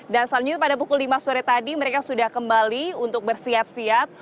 dan selanjutnya pada pukul lima sore tadi mereka sudah kembali untuk bersiap siap